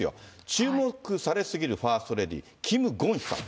注目され過ぎるファーストレディー、キム・ゴンヒさん。